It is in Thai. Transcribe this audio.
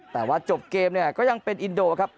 แต่ว่าจบเกมเนี่ยก็ยังเป็นอินโดครับ